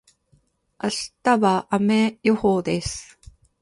明日は雨予報です。